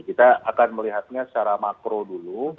kita akan melihatnya secara makro dulu